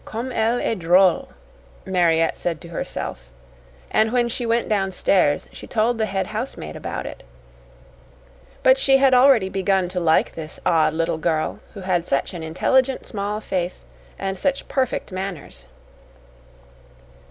"Comme elle est drole!" Mariette said to herself, and when she went downstairs she told the head housemaid about it. But she had already begun to like this odd little girl who had such an intelligent small face and such perfect manners.